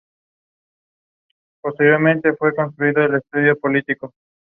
Actualmente se encuentra totalmente abandonada y absorbida por la vegetación de ribera.